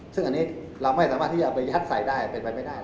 ซึ่งอันนี้เราไม่สามารถที่จะไปยัดใส่ได้เป็นไปไม่ได้